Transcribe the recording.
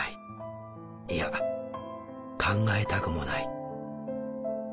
いや考えたくもない。